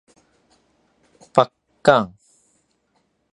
正港